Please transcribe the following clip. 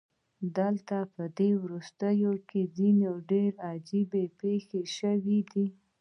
دلته پدې وروستیو کې ځینې ډیرې عجیبې پیښې شوې دي